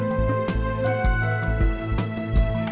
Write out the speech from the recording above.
bukannya memang bahwa nemu bandara juga